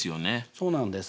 そうなんです。